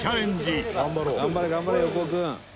伊達：頑張れ、頑張れ、横尾君！